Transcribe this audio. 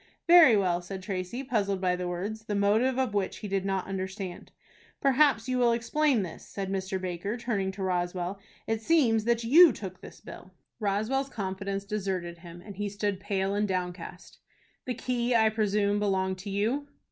"Very well," said Tracy, puzzled by the words, the motive of which he did not understand. "Perhaps you will explain this," said Mr. Baker, turning to Roswell. "It seems that you took this bill." Roswell's confidence deserted him, and he stood pale and downcast. "The key I presume, belonged to you."